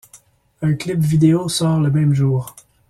Un clip vidéo sort le même jour.